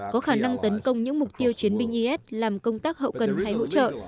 có khả năng tấn công những mục tiêu chiến binh is làm công tác hậu cần hay hỗ trợ